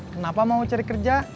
kenapa mau cari kerja